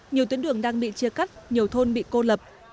nhiều tuyến đường đang bị chia cắt nhiều thôn bị cô lập